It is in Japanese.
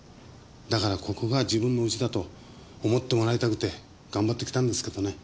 だからここが自分の家だと思ってもらいたくて頑張ってきたんですけどね。